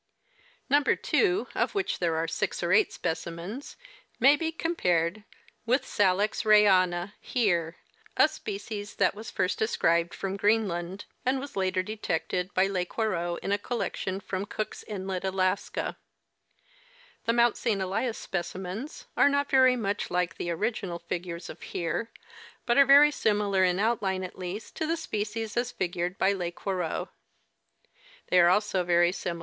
Number 2, of which there are six or eight specimens, may be com pared with Salix raeana, Heer,t a species that was first described from Greenland and was later detected by Lesquereux in a collection from Cooks inlet, Alaska.^ The Mount St. Elias specimens are not very much like the original figures of Hgei', but are very similar, in outline at least, to this species as figured by Lesquereux. § They are also very similar to * Mem. Mus. Comp. Zool.